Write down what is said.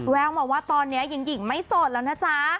แววมาว่าตอนนี้หญิงไม่โสดแล้วนะจ๊ะ